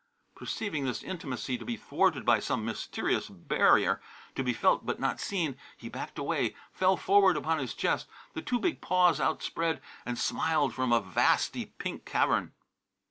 Perceiving this intimacy to be thwarted by some mysterious barrier to be felt but not seen, he backed away, fell forward upon his chest, the too big paws outspread, and smiled from a vasty pink cavern.